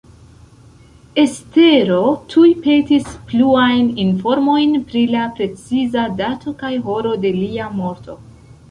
Estero tuj petis pluajn informojn pri la preciza dato kaj horo de lia morto.